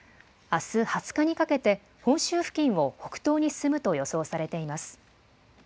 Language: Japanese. あす２０日にかけて、本州付近を北東に進むと予想されています。